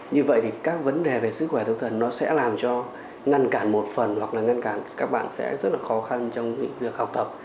như vậy thì các vấn đề về sức khỏe tâm thần nó sẽ làm cho ngăn cản một phần hoặc là ngăn cản các bạn sẽ rất là khó khăn trong việc học tập